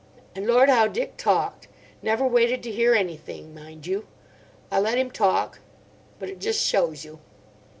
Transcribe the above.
And lord how Dick talked. Never waited to hear anything, mind you. I let him talk. But it just shows you.